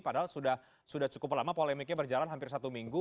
padahal sudah cukup lama polemiknya berjalan hampir satu minggu